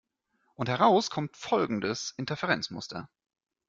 Und heraus kommt folgendes Interferenzmuster.